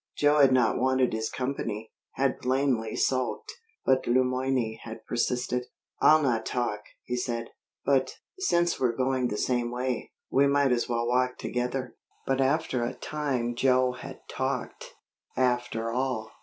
Joe had not wanted his company, had plainly sulked. But Le Moyne had persisted. "I'll not talk," he said; "but, since we're going the same way, we might as well walk together." But after a time Joe had talked, after all.